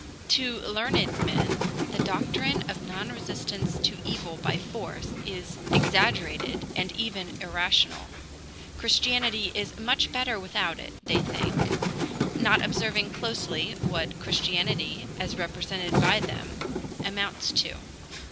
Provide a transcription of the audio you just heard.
To learned men the doctrine of non resistance to evil by force is exaggerated and even irrational. Christianity is much better without it, they think, not observing closely what Christianity, as represented by them, amounts to.